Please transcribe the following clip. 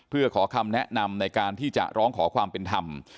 เพื่อขอคำแนะนำในการที่จะร้องขอความเป็นธรรม